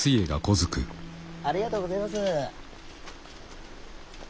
ありがとうごぜます。